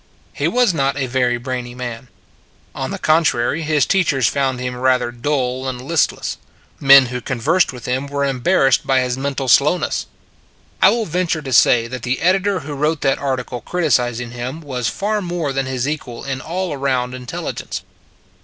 He was not a very brainy man. On the contrary, his teachers found him rather dull and listless: men who conversed with him were embarrassed by his mental slow ness. I will venture to say that the editor who wrote that article criticizing him was far more than his equal in all round intelli gence.